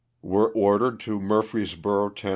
were ordered to Mur freesborough, Tenn.